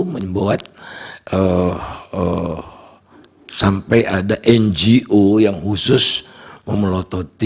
membuat sampai ada ngo yang khusus memelototi